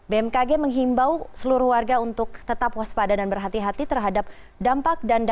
bmkg menghimbau seluruh warga untuk tetap waspada dan berhati hati terhadap dampak